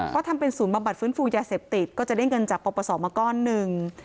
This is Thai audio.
เขาทำเป็นศูนย์บำบัดฟื้นฟูยาเสพติดก็จะได้เงินจากปปศมาก้อนหนึ่ง